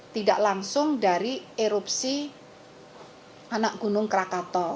tidak langsung dari erupsi anak gunung krakato